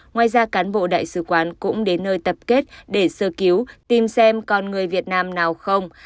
ngoài ra cán bộ đại sứ quán cũng đến nơi tập kết để sơ cứu tìm xem con người việt nam nào không